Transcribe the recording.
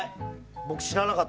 僕、知らなかった。